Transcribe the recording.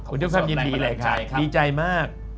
ขอบคุณทั้งความยินดีเลยครับดีใจมาก